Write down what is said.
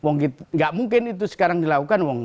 nggak mungkin itu sekarang dilakukan wong